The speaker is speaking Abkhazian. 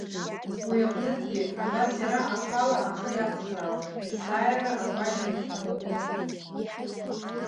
Уи аҟнытәгьы абас иара ахала ахы иацхраауан, есааира агәашьамх арӷәӷәон.